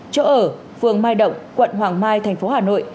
chỗ ở phường mai động quận hoàng mai thành phố hà nội